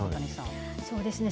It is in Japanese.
そうですね。